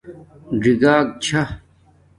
ژِی گاگ چھݳ